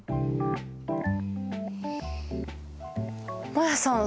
マヤさん。